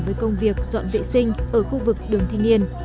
với công việc dọn vệ sinh ở khu vực đường thanh niên